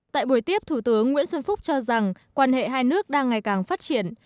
tại buổi tiếp thủ tướng nguyễn xuân phúc cho rằng quan hệ hai nước đang ngày càng phát triển